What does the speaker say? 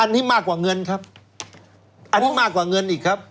อันนี้มากกว่าเงินครับอันนี้มากกว่าเงินอีกครับ